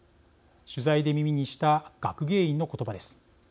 取材で耳にした学芸員の言葉です。